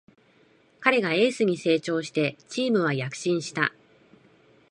彼がエースに成長してチームは躍進した